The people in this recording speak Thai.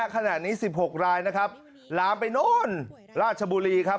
ขณะนี้๑๖รายนะครับลามไปโน่นราชบุรีครับ